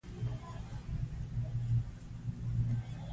شفافیت د سم مدیریت نښه ده.